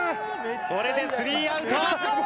これでスリーアウト。